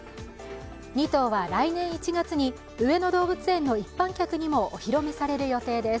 ２頭は来年１月に上野動物園の一般客にもお披露目される予定です。